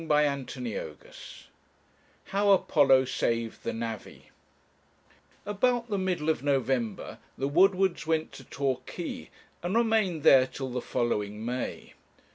CHAPTER XXXI HOW APOLLO SAVED THE NAVVY About the middle of November, the Woodwards went to Torquay, and remained there till the following May.